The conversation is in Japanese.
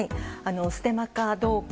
ステマかどうか。